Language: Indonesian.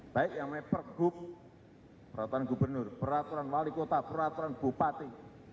baik yang namanya pergub peraturan gubernur peraturan wali kota peraturan bupati